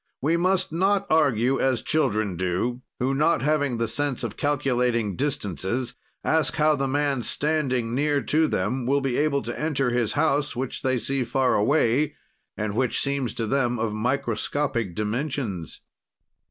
We must not argue as children do, who, not having the sense of calculating distances, ask how the man standing near to them will be able to enter his house, which they see far away, and which seems to them of microscopic dimensions.